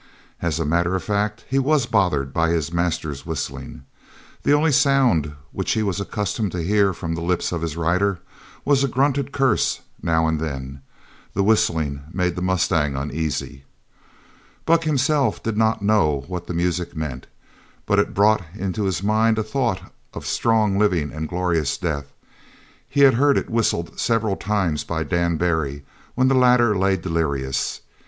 As a matter of fact he was bothered by his master's whistling. The only sound which he was accustomed to hear from the lips of his rider was a grunted curse now and then. This whistling made the mustang uneasy. Buck himself did not know what the music meant, but it brought into his mind a thought of strong living and of glorious death. He had heard it whistled several times by Dan Barry when the latter lay delirious.